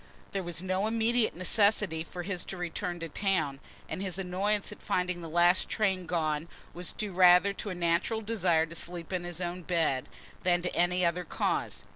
There was no immediate necessity for his return to town and his annoyance at finding the last train gone was due rather to a natural desire to sleep in his own bed, than to any other cause.